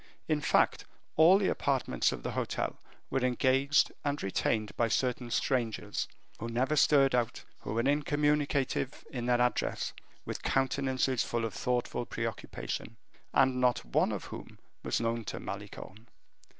In fact, all the apartments of the hotel were engaged and retained by certain strangers, who never stirred out, who were incommunicative in their address, with countenances full of thoughtful preoccupation, and not one of whom was known to Malicorne.